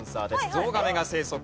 ゾウガメが生息。